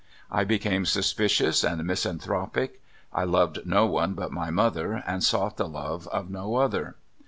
I became suspicious and misanthropic. I loved no one but my mother, and sought the love of no other.